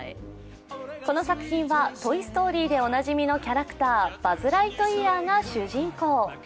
この作品は「トイ・ストーリー」でおなじみのキャラクター、バズ・ライトイヤーが主人公。